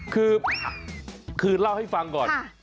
คือคือเล่าให้ฟังก่อน